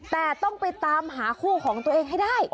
แต่ต้องไปตามหาคู่ของตัวเองให้ได้